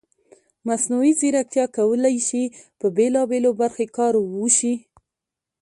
مصنوعي ځیرکتیا کولی شي په بېلابېلو برخو کې کار وشي.